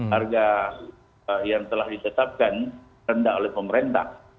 harga yang telah ditetapkan rendah oleh pemerintah